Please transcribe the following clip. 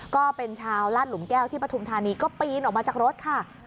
ก็เป็นชาวลาดหลุมแก้วที่ปฐุมธานีก็ปีนออกมาจากรถค่ะ